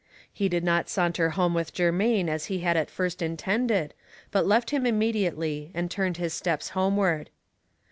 He did not saunter home with Germain as he had at first intended, but left him immediately and turned his steps homeward.